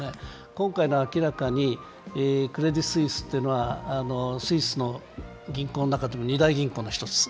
今回の明らかにクレディ・スイスっていうのはスイスの銀行の中でも二大銀行の一つ。